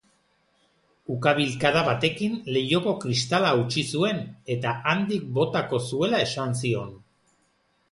Ukabilkada batekin leihoko kristala hautsi zuen, eta handik botako zuela esan zion.